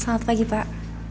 selamat pagi pak